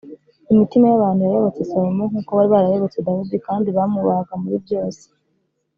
imitima y’abantu yayobotse salomo nk’uko bari barayobotse dawidi, kandi bamwubahaga muri byose.